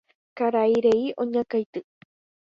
Karai rey oñakãity.